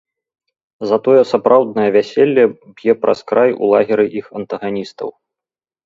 Затое сапраўднае вяселле б'е праз край у лагеры іх антаганістаў.